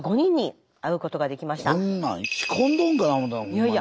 いやいや。